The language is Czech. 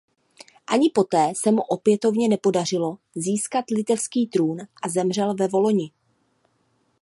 Ani poté se mu opětovně nepodařilo získat litevský trůn a zemřel ve Volyni.